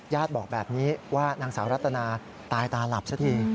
บอกแบบนี้ว่านางสาวรัตนาตายตาหลับซะที